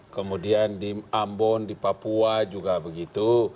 kemudian di ambon di papua juga begitu